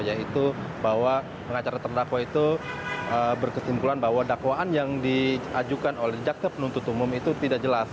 yaitu bahwa pengacara terdakwa itu berkesimpulan bahwa dakwaan yang diajukan oleh jaksa penuntut umum itu tidak jelas